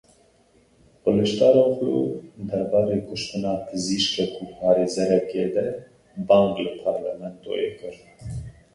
Kiliçdaroglu derbarê kuştina pizîşkek û parêzerekê de bang li parlamentoyê kir.